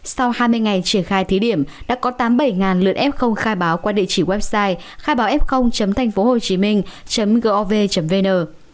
sau hai mươi ngày triển khai thí điểm đã có tám mươi bảy lượt f khai báo qua địa chỉ website khai báo f tp hcm gov vn